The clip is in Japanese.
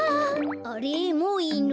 あれっもういいの？